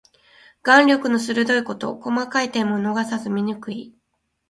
眼力の鋭いこと。細かい点も逃さず見抜く意。